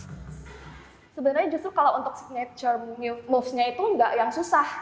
sebenarnya justru kalau untuk signature move nya itu nggak yang susah